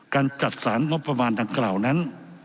การจัดสรรงบประมาณดังกล่าวนั้น